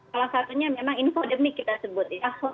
kalau satunya memang infodemic kita sebut ya